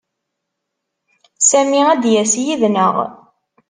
Sami ad d-yas yid-neɣ.